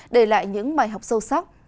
để lại những bài học sâu sắc